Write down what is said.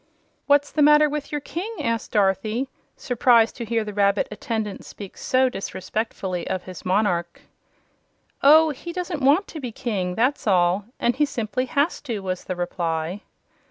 "What's the matter with your King?" asked Dorothy, surprised to hear the rabbit attendant speak so disrespectfully of his monarch. "Oh, he doesn't want to be King, that's all; and he simply HAS to," was the reply.